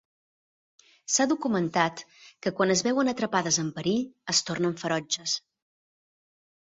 S'ha documentat que quan es veuen atrapades en perill, es tornen ferotges.